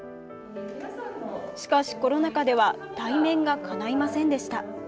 しかし、コロナ禍では対面がかないませんでした。